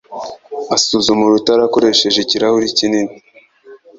asuzuma urutare akoresheje ikirahure kinini.